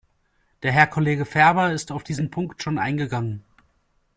Der Herr Kollege Ferber ist auf diesen Punkt schon eingegangen.